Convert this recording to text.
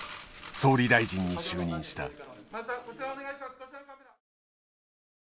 総理大臣に就任した。